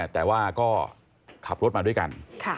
แต่ว่าก็ขับรถมาด้วยกัน